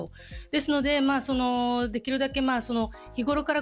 ですので、できるだけ日頃から